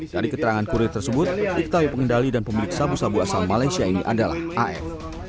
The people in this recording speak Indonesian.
dari keterangan kurir tersebut diketahui pengendali dan pemilik sabu sabu asal malaysia ini adalah af